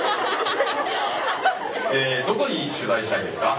どこに取材したいんですか？